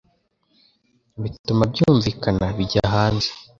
bituma byumvikana bijya hanze